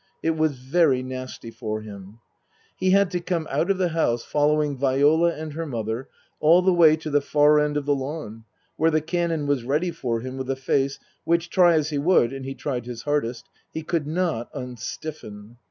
It was very nasty for him. He had to come out of the house, following Viola and her mother all the way to the far end of the lawn, where the Canon was ready for him with a face which, try as he would and he tried his hardest he could not unstiffen.